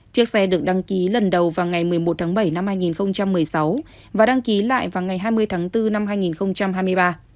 chiếc xe được đăng ký lần đầu vào ngày một mươi một tháng bảy năm hai nghìn một mươi sáu và đăng ký lại vào ngày hai mươi tháng bốn năm hai nghìn hai mươi ba